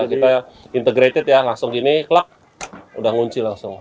kita integrated ya langsung gini kelak udah ngunci langsung